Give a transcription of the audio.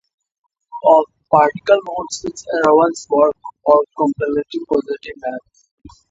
Of particular note is Arveson's work on completely positive maps.